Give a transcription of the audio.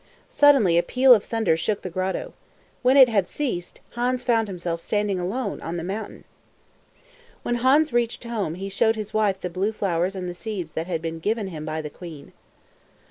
Suddenly a peal of thunder shook the grotto. When it had ceased, Hans found himself standing alone on the mountain. When Hans reached home, he showed his wife the blue flowers and the seeds that had been given him by the queen.